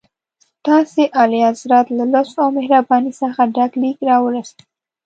ستاسي اعلیحضرت له لطف او مهربانۍ څخه ډک لیک راورسېد.